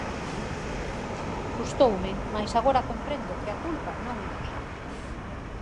Custoume, mais agora comprendo que a culpa non é nosa.